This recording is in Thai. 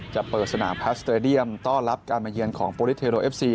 จะเปิดสนามแพสเตรเดียมต้อนรับการมาเยือนของโปรลิสเทโรเอฟซี